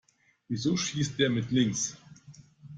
Wieso schießt der mit links?